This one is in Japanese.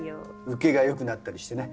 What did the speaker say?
ウケがよくなったりしてね。